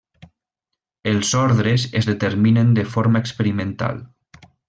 Els ordres es determinen de forma experimental.